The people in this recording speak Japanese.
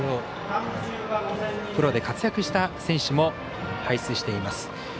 プロで活躍した選手も輩出しています。